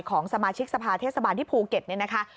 ของสมาชิกสภาเทศบาลที่ภูเก็ตเนี่ยนะคะ